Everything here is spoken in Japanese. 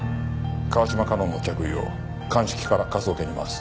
川島香音の着衣を鑑識から科捜研に回す。